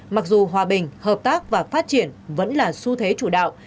mặc dù hòa bình hợp tác và phát triển vẫn là xu thế chủ đạo